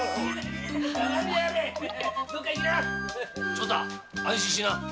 長太安心しな。